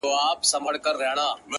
پروردگار به تهمت گرو ته سزا ورکوي;